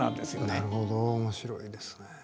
なるほど面白いですね。